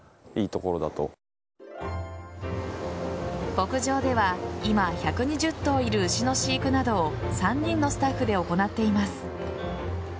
牧場では今、１２０頭いる牛の飼育などを３人のスタッフで行っています。